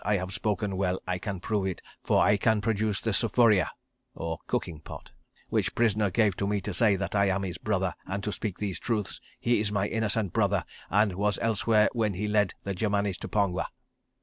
I have spoken well. I can prove it, for I can produce the sufuria which prisoner gave me to say that I am his brother, and to speak these truths. He is my innocent brother, and was elsewhere when he led the Germanis to Pongwa."